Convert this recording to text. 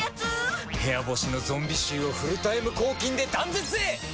部屋干しのゾンビ臭をフルタイム抗菌で断絶へ！